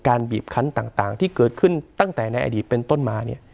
บีบคันต่างที่เกิดขึ้นตั้งแต่ในอดีตเป็นต้นมาเนี่ย